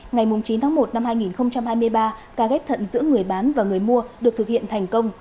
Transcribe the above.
ngày chín tháng một năm hai nghìn hai mươi ba ca ghép thận giữa người bán và người mua được thực hiện thành công